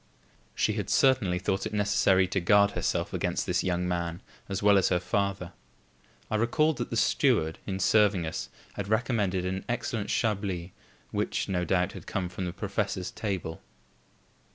She had certainly thought it necessary to guard herself against this young man as well as her father. I recalled that the steward, in serving us, had recommended an excellent Chablis which, no doubt, had come from the professor's table.